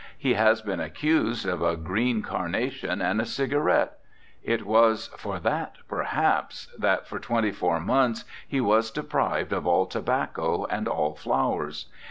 He has been accused of a green carnation and a cigarette; it was for that, perhaps, 73 RECOLLECTIONS OF OSCAR WILDE that for twenty four months he was de prived of all tobacco and all flowers.